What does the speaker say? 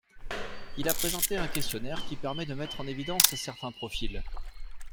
Il a présenté un questionnaire qui permet de mettre en évidence certains profils.